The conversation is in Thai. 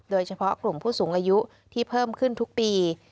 โดยเฉพาะกลุ่มผู้สูงอายุที่เพิ่มขึ้นทุกปี